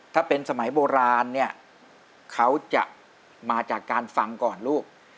ถ้าเป็นสมัยโบราณเนี่ยเขาจะมาจากการฟังก่อนลูก